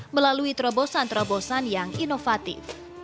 melalui terobosan terobosan yang inovatif